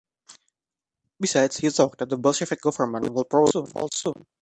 Besides he thought that the bolshevik government would probably fall soon.